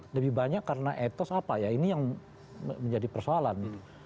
lebih banyak karena etos apa ya ini yang menjadi persoalan